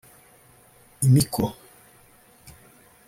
imiko